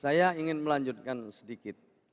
saya ingin melanjutkan sedikit